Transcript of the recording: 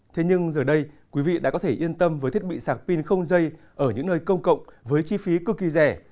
thế nhưng giờ đây quý vị đã có thể yên tâm với thiết bị sạc pin không dây ở những nơi công cộng với chi phí cực kỳ rẻ